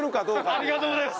ありがとうございます。